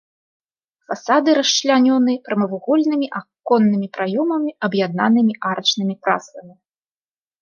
Фасады расчлянёны прамавугольнымі аконнымі праёмамі, аб'яднанымі арачнымі прасламі.